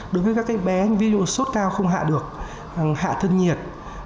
đối với các bé ví dụ sốt cao không hạ được hạ thân nhiệt